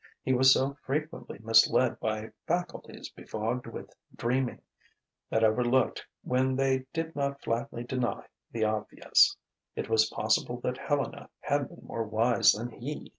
He was so frequently misled by faculties befogged with dreaming, that overlooked when they did not flatly deny the obvious: it was possible that Helena had been more wise than he.